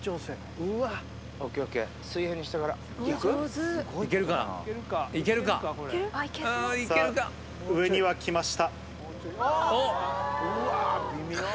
うえには来ました。